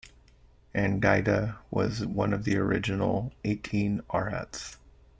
Angida was one of the original Eighteen Arhats.